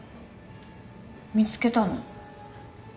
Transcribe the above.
見つけたの？